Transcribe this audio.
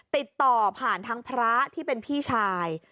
ติดต่อผ่านทางพระที่เป็นพี่ชาย